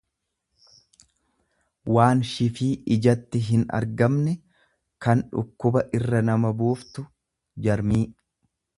waan shifii ijatti hinargamne, kan dhukkuba irra nama buuftu, jarmii.